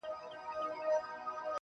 پاڅه چي ځو ترې ، ه ياره.